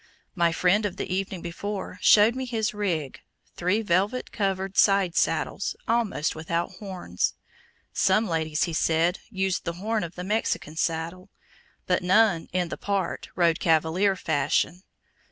My friend of the evening before showed me his "rig," three velvet covered side saddles almost without horns. Some ladies, he said, used the horn of the Mexican saddle, but none "in the part" rode cavalier fashion.